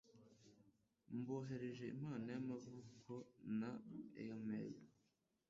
Mboherereje impano y'amavuko na airmail